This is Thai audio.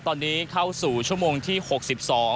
ตอนนี้เข้าสู่ชั่วโมงที่๖๒